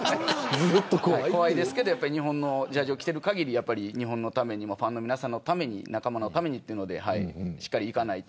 怖いですけど日本のジャージを着ている限り日本のためにファンの皆さんのために仲間のためにというのでしっかりいかないと。